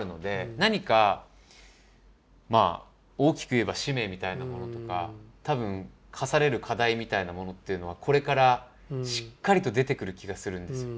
何かまあ大きく言えば使命みたいなものとか多分課される課題みたいなものというのはこれからしっかりと出てくる気がするんですよ。